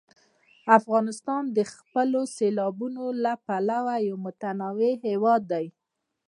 افغانستان د خپلو سیلابونو له پلوه یو متنوع هېواد دی.